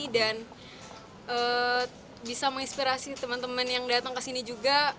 dan bisa menginspirasi teman teman yang datang ke sini juga